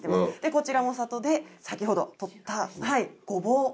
こちらも里で先ほど取ったゴボウ。